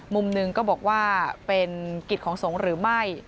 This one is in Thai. มุมหนึ่งก็บอกว่าเป็นกิจของสงฆ์หรือไม่